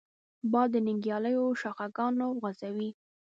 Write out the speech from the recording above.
باد د نیالګیو شاخهګان خوځوي